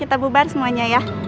bisa kembali ke bar semuanya ya